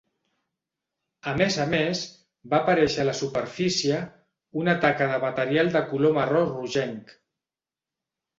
A més a més, va aparèixer a la superfície una taca de material de color marró rogenc.